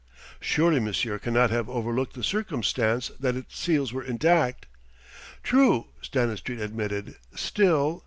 "Surely monsieur cannot have overlooked the circumstance that its seals were intact." "True," Stanistreet admitted. "Still...."